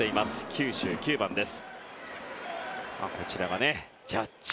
９９番です。